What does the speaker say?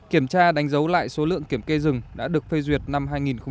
kiểm tra đánh dấu lại số lượng kiểm kê rừng đã được phê duyệt năm hai nghìn một mươi chín